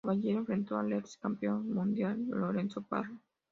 Caballero enfrentó al ex-campeón mundial Lorenzo Parra.